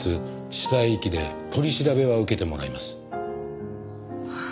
死体遺棄で取り調べは受けてもらいます。